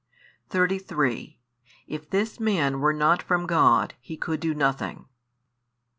33 If this Man were not from God, He could do nothing.